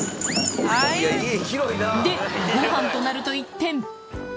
で、ごはんとなると一転。